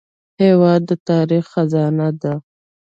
هېواد د تاریخ خزانه ده.